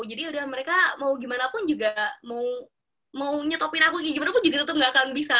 jadi yaudah mereka mau gimana pun juga mau nyetopin aku gimana pun jadi tetep gak akan bisa